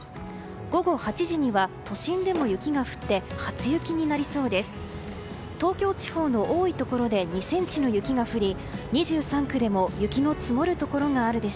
午後８時には都心でも雪が降って初雪になりそうです。